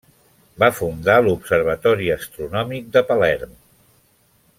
Va fundar l'observatori astronòmic de Palerm.